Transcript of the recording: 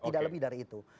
tidak lebih dari itu